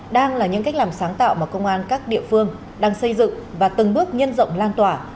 đang là những cách làm sáng tạo mà công an các địa phương đang xây dựng và từng bước nhân rộng lan tỏa